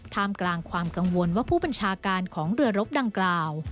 มกลางความกังวลว่าผู้บัญชาการของเรือรบดังกล่าว